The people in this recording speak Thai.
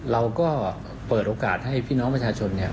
เราก็เปิดโอกาสให้พี่น้องประชาชนเนี่ย